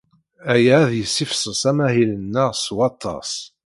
Aya ad yessifses amahil-nneɣ s waṭas.